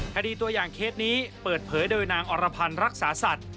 ตัวอย่างเคสนี้เปิดเผยโดยนางอรพันธ์รักษาสัตว์